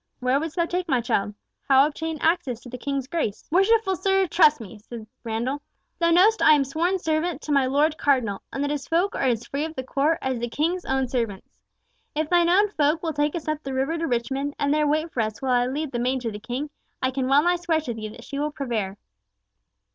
Where wouldst thou take my child? How obtain access to the King's Grace?" "Worshipful sir, trust me," said Randall. "Thou know'st I am sworn servant to my Lord Cardinal, and that his folk are as free of the Court as the King's own servants. If thine own folk will take us up the river to Richmond, and there wait for us while I lead the maid to the King, I can well nigh swear to thee that she will prevail."